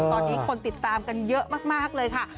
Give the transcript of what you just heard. ตอนนี้คนติดตามกันเยอะมากเลยค่ะ